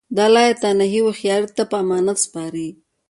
دا یې لایتناهي هوښیاري ته په امانت سپاري